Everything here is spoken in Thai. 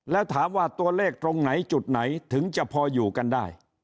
แล้วถามว่าตัวเลขตรงไหนจุดไหนถึงจะพออยู่กันได้